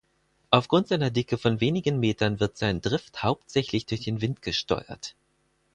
Aufgrund seiner Dicke von wenigen Metern wird sein Drift hauptsächlich durch den Wind gesteuert.